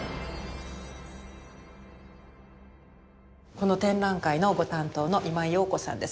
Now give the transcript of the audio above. この展覧会のご担当の今井陽子さんです。